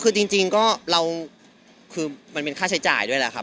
คือจริงก็เราคือมันเป็นค่าใช้จ่ายด้วยแหละครับ